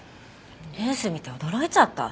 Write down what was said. ニュース見て驚いちゃった。